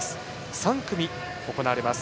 ３組行われます。